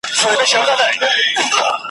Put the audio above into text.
د ښکاري په لاس چاړه وه دم درحاله `